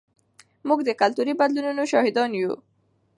موږ د کلتوري بدلونونو شاهدان یو.